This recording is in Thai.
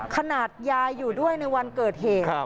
ขนาดยายอยู่ด้วยในวันเกิดเหตุ